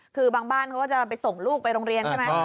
คือบางบ้านเขาก็จะไปส่งลูกไปโรงเรียนใช่ไหม